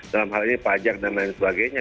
dalam hal ini pajak dan lain sebagainya